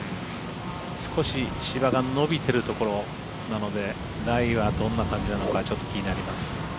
少し芝が伸びているところなのでライはどんな感じなのか気になります。